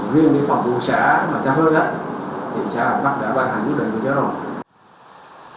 riêng với phòng vụ xã mà xã hòa hiệp bắc thì xã hòa hiệp bắc đã bàn hành vụ đẩy vụ xã hòa hiệp bắc